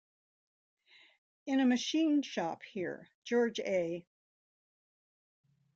In a machine shop here, George A.